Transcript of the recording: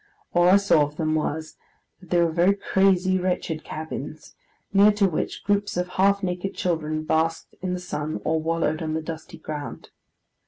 All I saw of them, was, that they were very crazy, wretched cabins, near to which groups of half naked children basked in the sun, or wallowed on the dusty ground.